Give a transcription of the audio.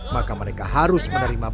maka mereka harus menerima